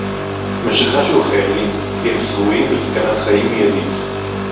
משחשו החיילים כי הם שרויים בסכנת חיים מיידית